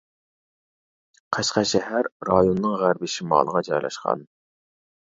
قەشقەر شەھەر رايونىنىڭ غەربىي شىمالغا جايلاشقان.